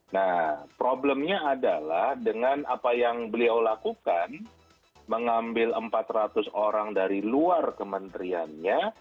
nah problemnya adalah dengan apa yang beliau lakukan mengambil empat ratus orang dari luar kementeriannya